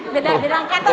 beda angkatan pak